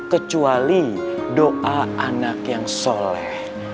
kecuali doa anak yang soleh